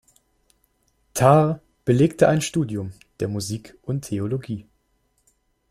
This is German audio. Tarr belegte ein Studium der Musik und Theologie.